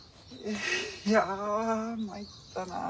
いや参ったなあ。